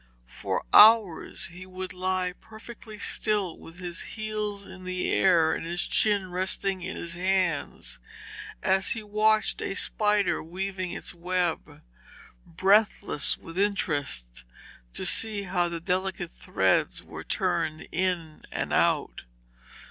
For hours he would lie perfectly still with his heels in the air and his chin resting in his hands, as he watched a spider weaving its web, breathless with interest to see how the delicate threads were turned in and out.